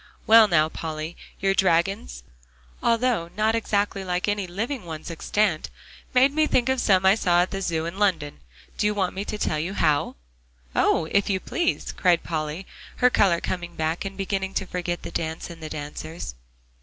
"Well, now, Polly, your dragons, although not exactly like any living ones extant, made me think of some I saw at the Zoo, in London. Do you want me to tell you how?" "Oh! if you please," cried Polly, her color coming back, and beginning to forget the dance and the dancers.